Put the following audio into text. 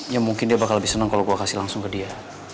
ya mungkin dia bakal lebih senang kalau gue kasih langsung ke dia